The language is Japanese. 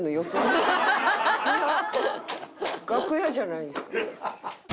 楽屋じゃないですよね？